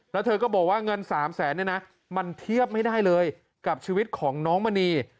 แล้วเธอก็บอกว่าเงิน๓แสนเนี่ยนะมันเทียบไม่ได้เลยกับชีวิตของน้องมณี